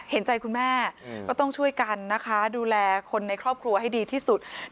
เห็นใจคุณแม่ก็ต้องช่วยกันนะคะดูแลคนในครอบครัวให้ดีที่สุด